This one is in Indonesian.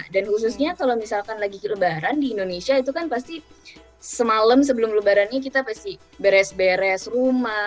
dan khususnya kalau misalkan lagi lebaran di indonesia itu kan pasti semalam sebelum lebarannya kita pasti beres beres rumah